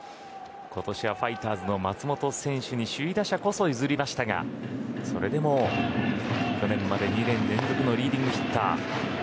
今年はファイターズの松本選手に首位打者こそ譲りましたがそれでも去年まで２年連続のリーディングヒッター。